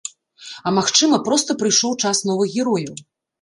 А магчыма, проста прыйшоў час новых герояў.